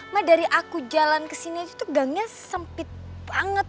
ma dari aku jalan kesini aja tuh gangnya sempit banget